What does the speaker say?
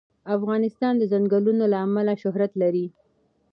افغانستان د ځنګلونه له امله شهرت لري.